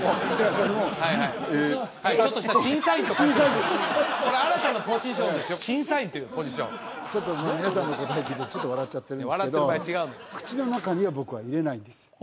ちょっとした審査員とかこれ新たなポジションですよ審査員っていうポジションちょっともう皆さんの答え聞いてちょっと笑っちゃってるんですけど口の中には僕は入れないです